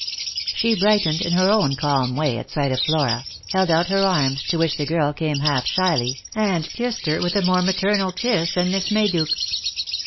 She brightened, in her own calm way, at sight of Flora, held out her arms, to which the girl came half shyly, and kissed her with a more maternal kiss than Miss Mayduke.